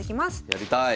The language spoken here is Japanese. やりたい！